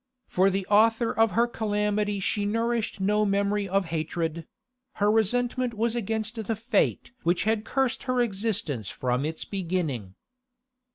For the author of her calamity she nourished no memory of hatred; her resentment was against the fate which had cursed her existence from its beginning.